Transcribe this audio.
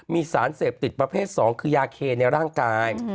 มีสารเสพติดประเภท๒คือยาเคในร่างกาย